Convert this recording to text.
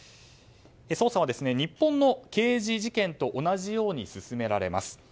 捜査は日本の刑事事件と同じように進められます。